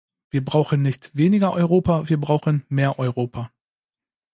Wir brauchen nicht weniger Europa, wir brauchen mehr Europa!